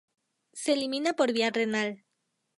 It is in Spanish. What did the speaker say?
Se elimina por vía renal.